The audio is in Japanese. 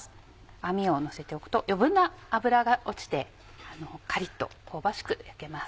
網をのせておくと余分な脂が落ちてカリっと香ばしく焼けます。